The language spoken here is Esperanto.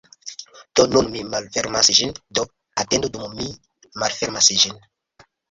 Do nun mi malfermas ĝin, do atendu dum mi malfermas ĝin.